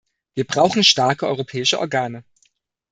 Wir brauchen starke europäische Organe.